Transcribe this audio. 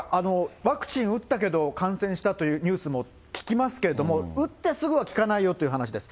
ワクチン打ったけど感染したというニュースも聞きますけれども、打ってすぐは効かないよという話です。